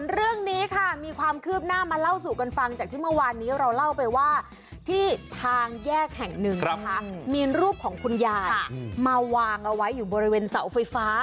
เรื่องนี้ค่ะมีความคืบหน้ามาเล่าสู่กันฟังจากที่เมื่อวานนี้เราเล่าไปว่าที่ทางแยกแห่งหนึ่งนะคะมีรูปของคุณยายมาวางเอาไว้อยู่บริเวณเสาไฟฟ้า